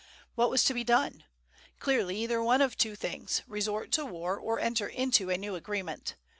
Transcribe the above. What was to be done? Clearly either one of two things: resort to war or enter into a new agreement.